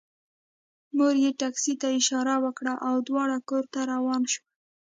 مور یې ټکسي ته اشاره وکړه او دواړه کور ته روان شول